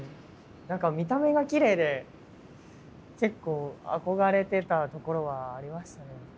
何か見た目がきれいで結構憧れてたところはありましたね。